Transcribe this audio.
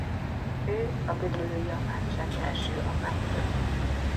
Ő a Gödöllői Apátság első apátja.